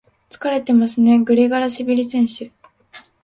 疲れてますね、グリガラシビリ選手。